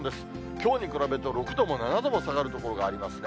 きょうに比べると、６度も７度も下がる所がありますね。